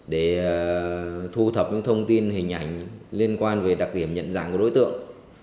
để thu thập những thông tin hình ảnh liên quan về đặc điểm nhận dạng của đối tượng